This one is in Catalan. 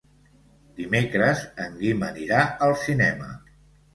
Dimecres en Guim anirà al cinema.